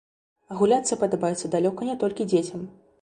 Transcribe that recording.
А гуляцца падабаецца далёка не толькі дзецям.